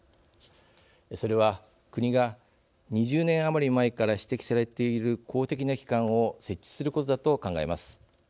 それは国が２０年余り前から指摘されている公的な機関を設置することだと考えます。